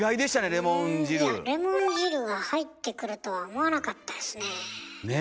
レモン汁が入ってくるとは思わなかったですね。ね！